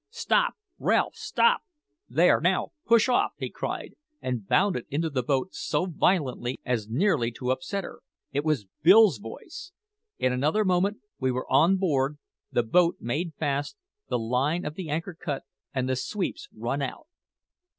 "Stop! Ralph, stop! There, now, push off!" he cried, and bounded into the boat so violently as nearly to upset her. It was Bill's voice! In another moment we were on board the boat made fast, the line of the anchor cut, and the sweeps run out.